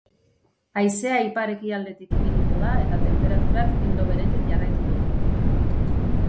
Haizea ipar-ekialdetik ibiliko da eta tenperaturak ildo beretik jarraituko du.